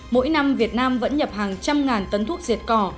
mỗi năm việt nam vẫn nhập hàng trăm ngàn tấn thuốc diệt cỏ